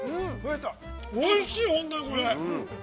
◆おいしい、本当にこれ。